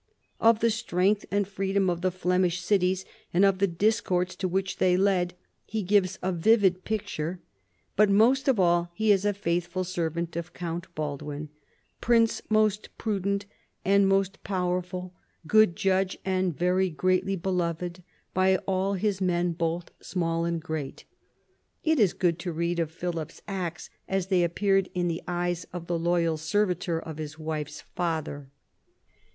Of the strength and freedom of the Flemish cities, and of the discords to which they led, he gives a vivid picture. But most of all he is a faithful servant of Count Baldwin, " prince most prudent and most powerful, good judge, and very greatly beloved by all his men both small and great." It is good to read of Philip's acts as they appeared in the eyes of the loyal servitor of his wife's father.